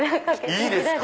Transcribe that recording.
いいですか？